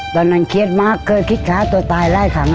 ตอนนั้นเครียดมากเคยคิดฆ่าตัวตายหลายครั้ง